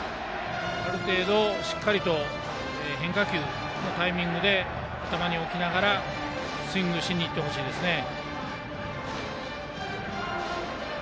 ある程度しっかりと変化球のタイミングで頭に置きながらスイングしてほしいですね。